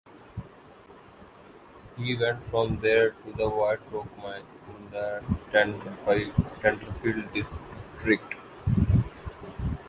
He went from there to the White Rock Mine in the Tenterfield district.